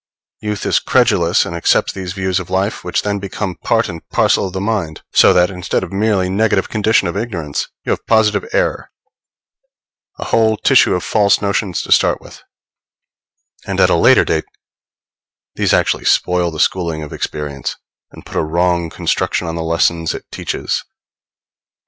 Youth is credulous, and accepts these views of life, which then become part and parcel of the mind; so that, instead of a merely negative condition of ignorance, you have positive error a whole tissue of false notions to start with; and at a later date these actually spoil the schooling of experience, and put a wrong construction on the lessons it teaches.